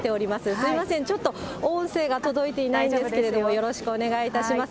すみません、ちょっと音声が届いていないんですけれども、よろしくお願いいたします。